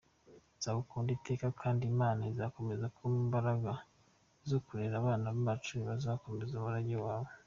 Nzagukunda iteka kandi Imana ikomeze kuma imbaraga zo kurera abana bacu bazakomeze umurage wawe….